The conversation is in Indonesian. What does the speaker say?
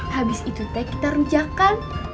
habis itu teh kita rujakkan